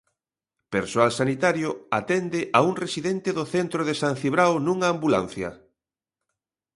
Persoal sanitario atende a un residente do centro de San Cibrao nunha ambulancia.